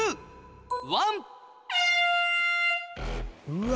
うわ。